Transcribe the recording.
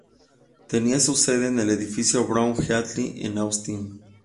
Tenía su sede en el Edificio Brown-Heatly en Austin.